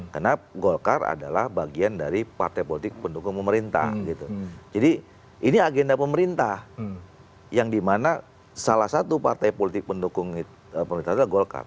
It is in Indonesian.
karena golkar adalah bagian dari partai politik pendukung pemerintah jadi ini agenda pemerintah yang dimana salah satu partai politik pendukung pemerintah adalah golkar